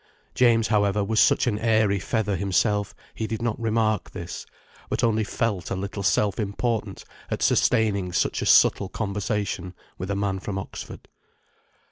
James, however, was such an airy feather himself he did not remark this, but only felt a little self important at sustaining such a subtle conversation with a man from Oxford.